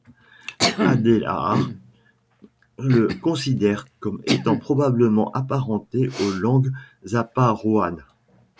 Adelaar le considère comme étant probablement apparenté aux langues zaparoanes.